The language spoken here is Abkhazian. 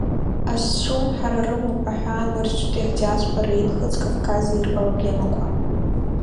Азҿлымҳара рымоуп аҳәаанырцәтәи ҳадиаспореи Нхыҵ-Кавкази рыпроблемақәа.